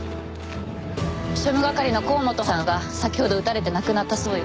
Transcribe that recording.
庶務係の河本さんが先ほど撃たれて亡くなったそうよ。